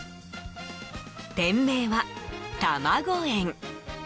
店名は、たまご園。